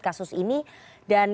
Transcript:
kasus ini dan